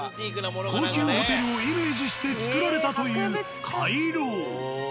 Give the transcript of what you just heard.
高級ホテルをイメージして作られたという回廊。